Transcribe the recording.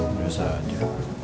aku sudah tidur